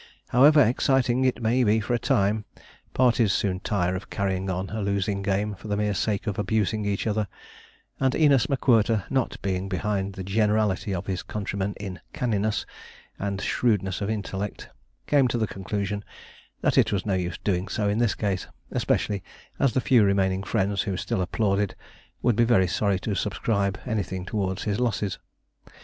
However exciting it may be for a time, parties soon tire of carrying on a losing game for the mere sake of abusing each other, and Æneas M'Quirter not being behind the generality of his countrymen in 'canniness' and shrewdness of intellect, came to the conclusion that it was no use doing so in this case, especially as the few remaining friends who still applauded would be very sorry to subscribe anything towards his losses.